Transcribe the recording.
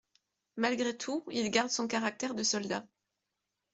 Malgré tout, il garde son caractère de soldat.